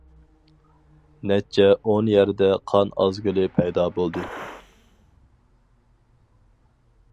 نەچچە ئون يەردە قان ئازگىلى پەيدا بولدى.